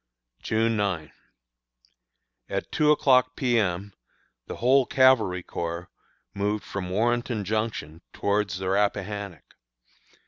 June 9. At two o'clock P. M. the whole Cavalry Corps moved from Warrenton Junction towards the Rappahannock.